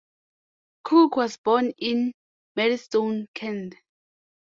Crook was born in Maidstone, Kent.